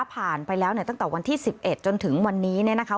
ผ่านไปแล้วเนี่ยตั้งแต่วันที่๑๑จนถึงวันนี้เนี่ยนะคะ